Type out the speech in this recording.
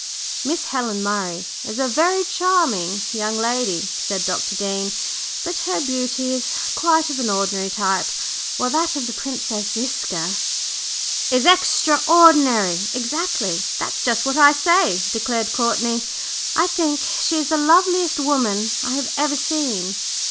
"Miss Helen Murray is a very charming young lady," said Dr. Dean. "But her beauty is quite of an ordinary type, while that of the Princess Ziska " "Is extra ordinary exactly! That's just what I say!" declared Courtney. "I think she is the loveliest woman I have ever seen."